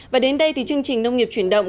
và đến đây chương trình nông nghiệp chuyển động